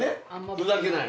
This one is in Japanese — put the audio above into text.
ふざけない。